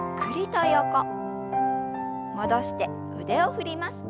戻して腕を振ります。